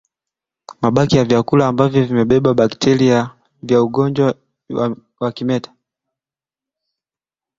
Mabaki ya vyakula ambavyo vimebeba bakteria vya ugonjwa wa kimeta